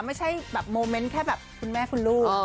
ไม่ใช่แบบโมเมนต์แค่แบบคุณแม่คุณลูก